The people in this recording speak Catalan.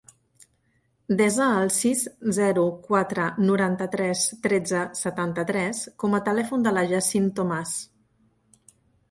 Desa el sis, zero, quatre, noranta-tres, tretze, setanta-tres com a telèfon del Yassine Tomas.